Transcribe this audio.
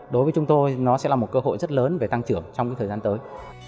đối với chúng tôi nó sẽ là một cơ hội rất lớn về tăng trưởng trong thời gian tới